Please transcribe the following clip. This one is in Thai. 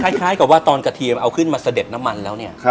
อย่างค่อยตอนที่ออกทีมาเอาขึ้นมาเสด็จน้ำมันแล้วเนี่ย